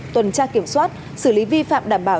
tuần tra kiểm soát xử lý vi phạm đảm bảo